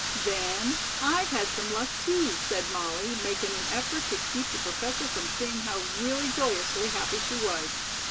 "Then, I've had some luck, too," said Molly, making an effort to keep the Professor from seeing how really joyously happy she was.